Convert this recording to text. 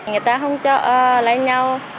người ta không cho lấy nhau